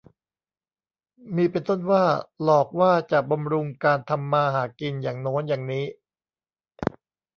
มีเป็นต้นว่า หลอกว่าจะบำรุงการทำมาหากินอย่างโน้นอย่างนี้